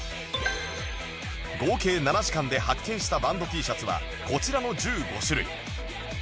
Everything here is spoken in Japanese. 合計７時間で発見したバンド Ｔ シャツはこちらの１５種類